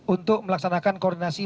untuk melaksanakan koordinasi